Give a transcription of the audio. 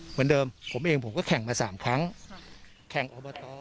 เหมือนเดิมผมเองผมก็แข่งมา๓ครั้งแข่งอบต